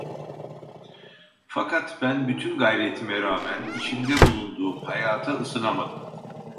Fakat ben bütün gayretime rağmen, içinde bulunduğum hayata ısınamadım.